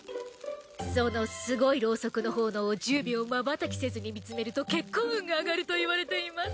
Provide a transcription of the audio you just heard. そのすごいロウソクの炎を１０秒まばたきせずに見つめると結婚運が上がると言われています。